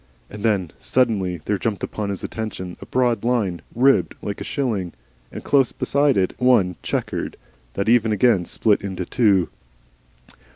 And then suddenly there jumped upon his attention a broad line ribbed like a shilling, and close beside it one chequered, that ever and again split into two.